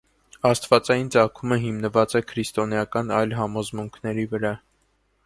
Աստվածային ծագումը հիմնված է քրիստոնեական այլ համոզմունքների վրա։